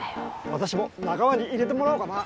私も仲間に入れてもらおうかな。